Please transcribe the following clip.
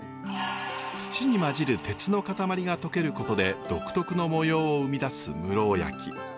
土に混じる鉄の塊が溶けることで独特の模様を生み出す室生焼。